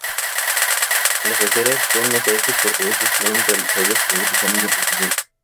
Las aceras con mosaicos portugueses fueron realizados por artesanos de Portugal.